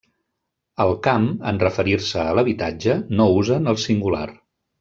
Al camp, en referir-se a l'habitatge, no usen el singular.